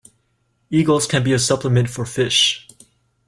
Eagles can be a supplement for fish.